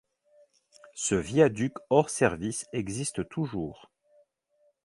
Ce viaduc hors service existe toujours.